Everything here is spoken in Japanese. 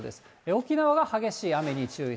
沖縄が激しい雨に注意。